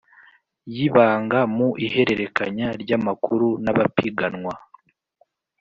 y ibanga Mu ihererekanya ry amakuru n abapiganwa